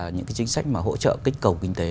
những chính sách hỗ trợ kích cầu kinh tế